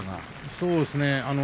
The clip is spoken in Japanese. そうですね。